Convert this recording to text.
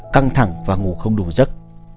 năm căng thẳng và ngủ không đủ giấc